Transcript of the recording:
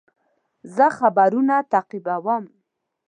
زه خبرونه تعقیبوم.